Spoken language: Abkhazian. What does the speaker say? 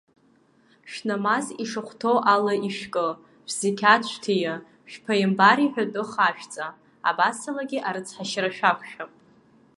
Шәнамаз ишахәҭоу ала ишәкы, шәзеқьаҭ шәҭии, шәԥааимбар иҳәатәы хашәҵа, абасалагьы арыцҳашьара шәақәшәап.